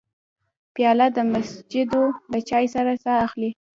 پیاله د مسجدو له چای سره ساه اخلي.